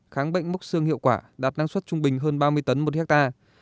kháng bệnh mốc xương hiệu quả đạt năng suất trung bình hơn ba mươi tấn một hectare